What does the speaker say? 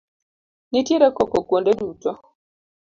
Nitiere koko kuonde duto.